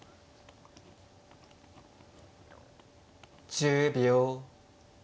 １０秒。